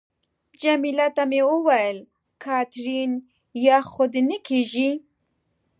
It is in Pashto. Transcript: جميله ته مې وویل: کاترین، یخ خو دې نه کېږي؟